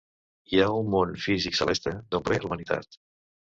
Hi ha un món físic celeste d'on prové la humanitat.